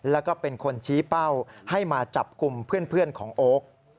แล้วก็เป็นคนชี้เป้าให้มาจับกลุ่มเพื่อนของโอ๊ค